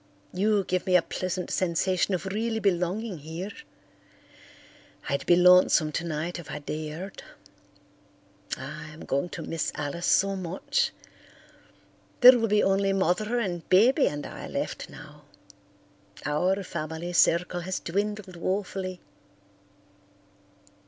You give me a pleasant sensation of really belonging here. I'd be lonesome tonight if I dared. I'm going to miss Alice so much. There will be only Mother and Baby and I left now. Our family circle has dwindled woefully."